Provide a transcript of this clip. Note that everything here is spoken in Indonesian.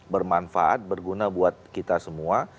bermanfaat berguna buat kita semua